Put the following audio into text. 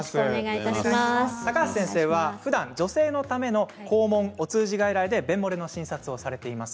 高橋先生はふだん女性のための肛門お通じ外来で便もれの診察をされています。